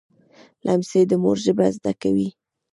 لمسی د مور ژبه زده کوي.